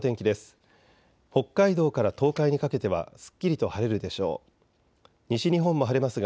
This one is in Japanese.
きょうの天気です。